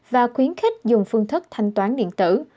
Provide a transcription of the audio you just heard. và khuyến khích dùng phương thức thanh toán điện tử